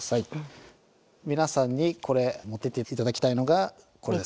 皆さんにこれ持っていっていただきたいのがこれですね。